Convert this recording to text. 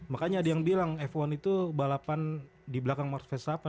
makanya ada yang bilang f satu itu balapan di belakang marseille tujuh